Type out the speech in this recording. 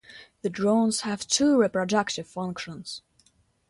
The drones have two reproductive functions.